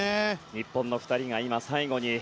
日本の２人が今最後に。